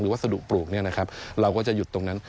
วัสดุปลูกเราก็จะหยุดตรงนั้น